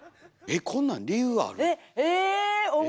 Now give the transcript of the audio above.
えっこんなん理由ある？